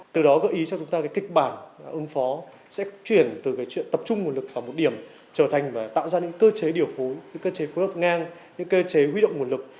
từ đó gợi ý cho chúng ta cái kịch bản ứng phó sẽ chuyển từ cái chuyện tập trung nguồn lực vào một điểm trở thành và tạo ra những cơ chế điều phối những cơ chế phối hợp ngang những cơ chế huy động nguồn lực